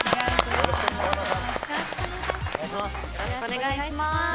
よろしくお願いします。